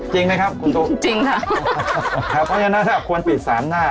จริงไหมครับจริงค่ะครับเนี้ยนะถ้าควรปิดสามหน้า